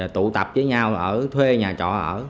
tụ tập với nhau thuê nhà trọ ở